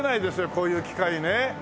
こういう機械ね。